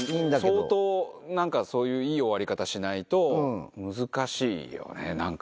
相当なんか、そういういい終わり方しないと難しいよね、なんか。